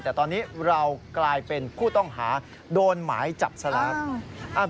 แต่ตอนนี้เรากลายเป็นผู้ต้องหาโดนหมายจับซะแล้ว